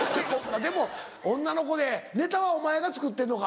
でも女の子でネタはお前が作ってんのか？